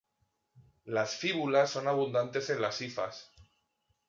Las fíbulas son abundantes en las hifas.